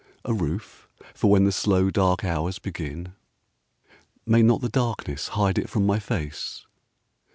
A roof for when the slow dark hours begin. May not the darkness hide it from my face?